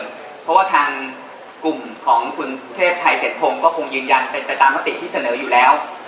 เพราะว่าทางกลุ่มของคุณเทพไทยเศรษฐพงศ์ก็คงยืนยันเป็นไปตามมติที่เสนออยู่แล้ว